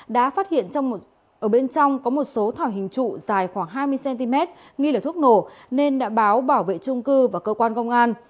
đã phát hiện ở bên trong có một số thỏi hình trụ dài khoảng hai mươi cm nghi là thuốc nổ nên đã báo bảo vệ trung cư và cơ quan công an